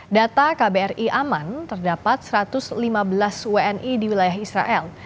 data kbri aman terdapat satu ratus lima belas wni di wilayah israel